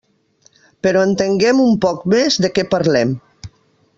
Però entenguem un poc més de què parlem.